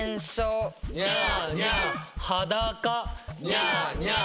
ニャーニャー。